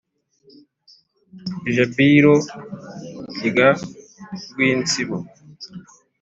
jabiro rya rwinsibo